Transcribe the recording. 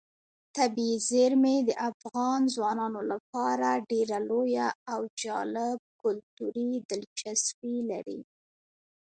طبیعي زیرمې د افغان ځوانانو لپاره ډېره لویه او جالب کلتوري دلچسپي لري.